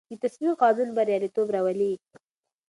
د تصمیم قانون بریالیتوب راولي.